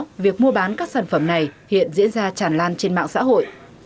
các đối tượng đều mua bán các sản phẩm này hiện diễn ra tràn lan trên mạng xã hội